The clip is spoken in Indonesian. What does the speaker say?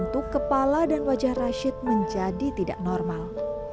dan bentuk kepala dan wajah rashid menjadi tidak normal